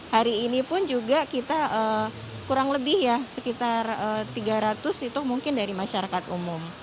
hari ini pun juga kita kurang lebih ya sekitar tiga ratus itu mungkin dari masyarakat umum